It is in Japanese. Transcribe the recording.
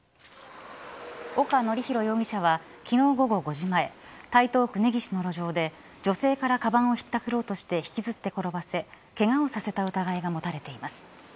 岡徳宏容疑者は昨日午後５時前台東区根岸の路上で女性からかばんをひったくろうとして引きずって転ばせケガをさせた疑いが持たれています。